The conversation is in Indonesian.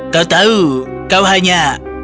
tahu tahu kau hanya